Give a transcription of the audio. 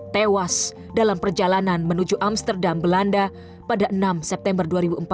tewas dalam perjalanan menuju amsterdam belanda pada enam september dua ribu empat belas